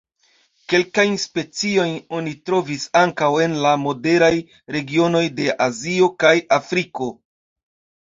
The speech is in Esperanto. Kelkajn speciojn oni trovis ankaŭ en la moderaj regionoj de Azio kaj Afriko.